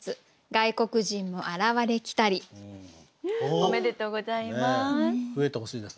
おめでとうございます。